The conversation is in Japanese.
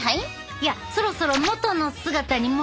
いやそろそろもとの姿に戻してえな。